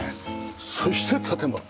そして建物。